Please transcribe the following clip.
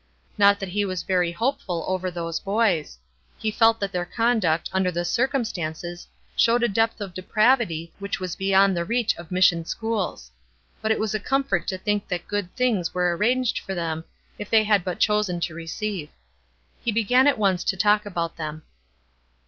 Not that he was very hopeful over those boys. He felt that their conduct, under the circumstances, showed a depth of depravity which was beyond the reach of Mission schools; but it was a comfort to think that good things were arranged for them if they had but chosen to receive. He began at once to talk about them.